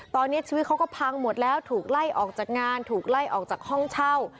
ตอนนี้ชีวิตเขาก็พังหมดแล้วถูกไล่ออกจากงานถูกไล่ออกจากห้องเช่า